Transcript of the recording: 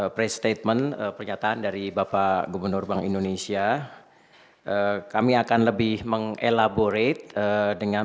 pre statement pernyataan dari bapak gubernur bank indonesia kami akan lebih mengelaborate dengan